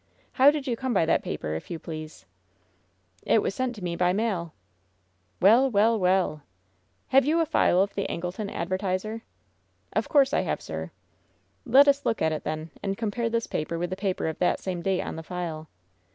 How did you come by that paper, if you please ?" "It was sent to me by mail 1'' "WeU, weU, weUr "Have you a file of the Angleton Advertiserf* "Of course I have, sir.'' "Let us look at it, then, and compare this paper with the paper of that same date on the file."